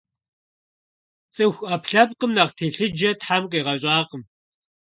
Цӏыху ӏэпкълъэпкъым нэхъ телъыджэ Тхьэм къигъэщӏакъым.